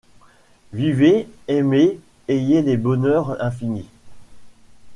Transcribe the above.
Vivez ! aimez ! ayez les bonheurs infinis.